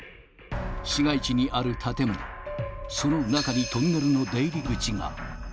市街地にある建物、その中にトンネルの出入り口が。